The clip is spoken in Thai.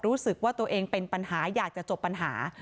รู้สึกว่าตัวเองเป็นปัญหาอยากจะจบปัญหา